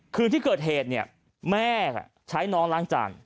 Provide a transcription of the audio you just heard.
คือที่เกิดเหตุเนี่ยแม่ใช้น้องล้างจาน